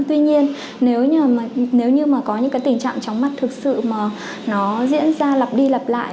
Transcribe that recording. tuy nhiên nếu như mà có những cái tình trạng chóng mắt thực sự mà nó diễn ra lập đi lập lại